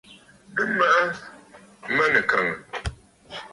Bɨ maʼa manɨkàŋə̀.